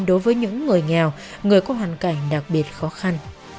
đối với những người nghèo người có hoàn cảnh đặc biệt khó khăn